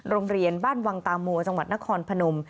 โรงเรียนบ้านวังตามัวจังหวัดนครพนม